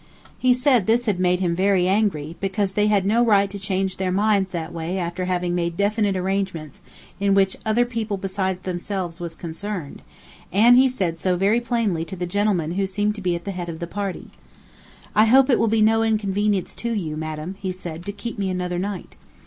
He said this had made him very angry, because they had no right to change their minds that way after having made definite arrangements in which other people besides themselves was concerned; and he had said so very plainly to the gentleman who seemed to be at the head of the party. "I hope it will be no inconvenience to you, madam," he said, "to keep me another night."